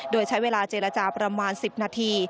โดยใช้เวลาเจรจาประมาณ๑๐นาที